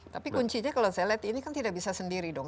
tapi kuncinya kalau saya lihat ini kan tidak bisa sendiri dong